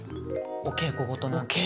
お稽古事ね。